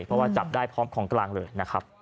เพราะว่าจับได้พร้อมของกลางเลยนะครับ